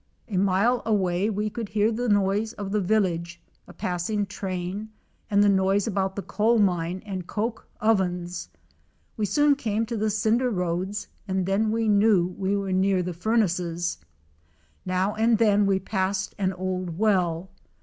A mile away we could hear the noise of the village, a passing train, and the noise about the coal mine and coke ovens. We soon came to the cinder roads and then we knew we were near the furnaces. Now and then we passed an old well.